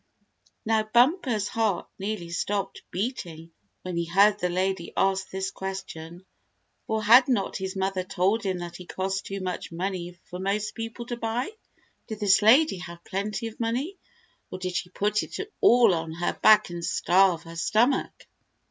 Now Bumper's heart nearly stopped beating when he heard the lady ask this question, for had not his mother told him that he cost too much money for most people to buy? Did this lady have plenty of money, or did she put it all on her back and starve her stomach?